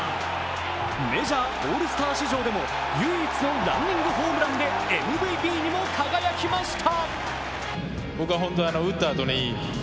メジャーオールスター史上でも唯一のランニングホームランでＭＶＰにも輝きました。